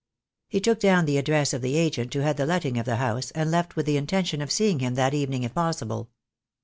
He took down the address of the agent who had the letting of the house, and left with the intention of seeing him that evening if possible.